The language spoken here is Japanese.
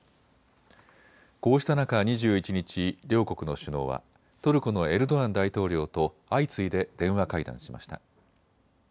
こうした中、２１日、両国の首脳はトルコのエルドアン大統領と相次いで電話会談しました。